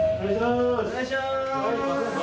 お願いします！